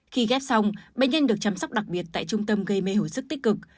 khi ghép xong bệnh nhân được chăm sóc đặc biệt tại trung tâm gây mê hồi sức tích cực